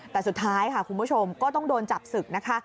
แต่สุดท้ายค่ะคุณผู้ชมก็ต้องโดนจับศึกนะคะ